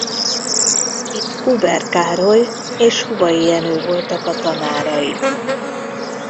Itt Huber Károly és Hubay Jenő voltak a tanárai.